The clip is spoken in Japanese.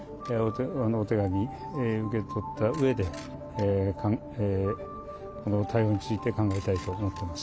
お手紙受け取ったうえで、この対応について考えたいと思ってます。